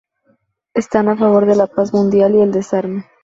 Están a favor de la paz mundial y el desarme.